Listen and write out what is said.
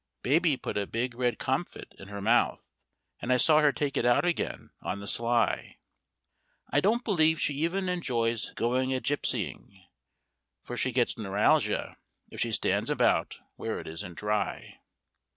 Baby put a big red comfit in her mouth, and I saw her take it out again on the sly; I don't believe she even enjoys going a gypseying, for she gets neuralgia if she stands about where it isn't dry.